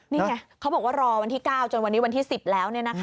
นี่ไงเขาบอกว่ารอวันที่๙จนวันนี้วันที่๑๐แล้ว